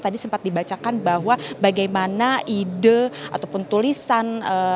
tadi sempat dibacakan bahwa bagaimana ide ataupun tulisan